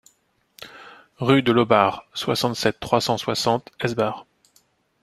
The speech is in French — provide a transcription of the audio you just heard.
Rue de Laubach, soixante-sept, trois cent soixante Eschbach